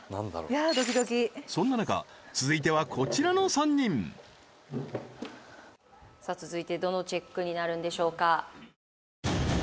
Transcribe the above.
いやードキドキそんな中続いてはこちらの３人さあ続いてどのチェックになるんでしょうか？